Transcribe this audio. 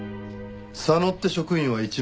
佐野って職員は１名。